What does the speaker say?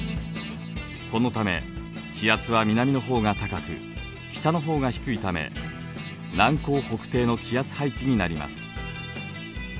このため気圧は南の方が高く北の方が低いため南高北低の気圧配置になります。